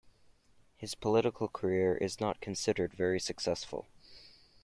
His political career is not considered very successful.